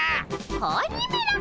子鬼めら！